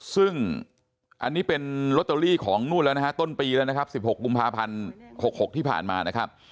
ซึ่งอันนี้เป็นลอตเตอรี่ของนู่นแล้วนะฮะต้นปีแล้วนะครับ๑๖กุมภาพันธ์๖๖ที่ผ่านมานะครับ